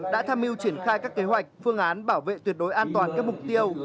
đã tham mưu triển khai các kế hoạch phương án bảo vệ tuyệt đối an toàn các mục tiêu